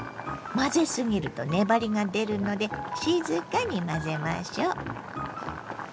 混ぜすぎると粘りが出るので静かに混ぜましょ。